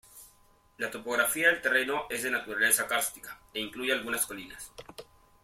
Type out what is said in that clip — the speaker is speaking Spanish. La topografía del terreno es de naturaleza kárstica e incluye algunas colinas.